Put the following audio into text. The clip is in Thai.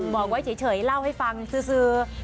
บอกไว้เฉยเล่าให้ฟังซื้อ